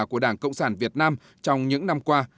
của đảng cộng sản việt nam trong những năm qua